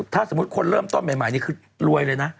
ถ้าสมมุติคนเริ่มต้นใหม่นี่คือรวยเลยนะ